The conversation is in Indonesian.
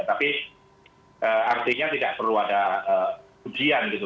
tapi artinya tidak perlu ada ujian gitu